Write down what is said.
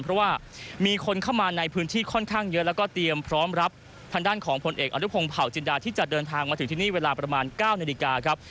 เพราะว่ามีคนเข้ามาในพื้นที่ค่อนข้างเยอะแล้วก็เตรียมพร้อมรับทางด้านของผลเอกอนุพงศ์เผาจินดาที่จะเดินทางมาถึงที่นี่เวลาประมาณ๙นาฬิกาครับ